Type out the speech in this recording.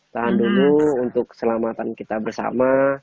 tahan dulu untuk keselamatan kita bersama